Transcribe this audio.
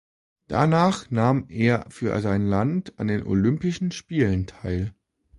Danach nahm er für sein Land an den Olympischen Spielen teil.